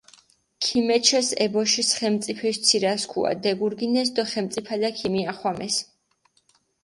ქემეჩეს ე ბოშის ხენწიფეში ცირასქუა, დეგურგინეს დო ხენწიფალა ქიმიახვამეს.